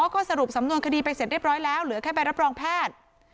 ก็สรุปสำนวนคดีไปเสร็จเรียบร้อยแล้วเหลือแค่ใบรับรองแพทย์